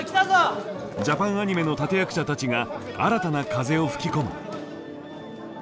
ジャパンアニメの立て役者たちが新たな風を吹き込む。